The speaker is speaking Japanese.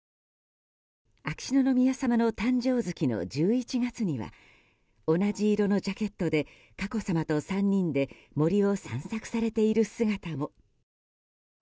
秋篠宮さまの誕生月の１１月には同じ色のジャケットで佳子さまと３人で森を散策されている姿も。